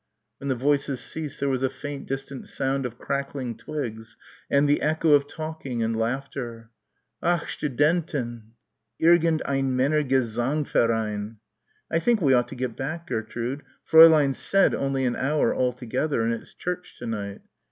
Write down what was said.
When the voices ceased there was a faint distant sound of crackling twigs and the echo of talking and laughter. "Ach Studenten!" "Irgend ein Männergesangverein." "I think we ought to get back, Gertrude. Fräulein said only an hour altogether and it's church to night."